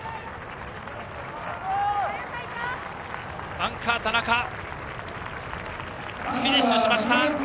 アンカー、田中フィニッシュしました！